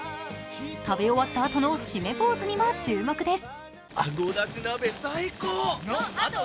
食べ終わったあとの締めポーズにも注目です。